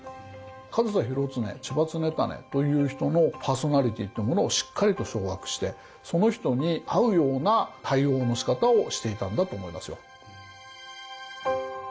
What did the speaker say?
上総広常千葉常胤という人のパーソナリティーってものをしっかりと掌握してその人に合うような対応のしかたをしていたんだと思いますよ。